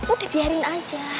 udah dibiarin aja